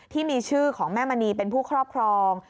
ที่มีชื่อของแม่มณีเป็นผู้ครอบครอง